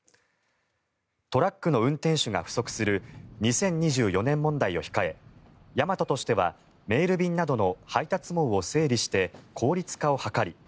トラックの運転手が不足する２０２４年問題を控えヤマトとしてはメール便などの配達網を整備して効率化を図り